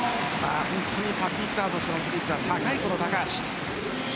本当にパスヒッターとしての技術が高い、この高橋。